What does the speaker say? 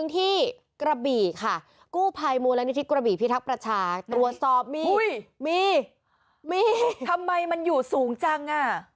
ทำไมมันอยู่สูงจัง่ะ